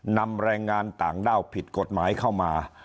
นำแรงงานต่างด้าวผิดกฎหมายเข้ามา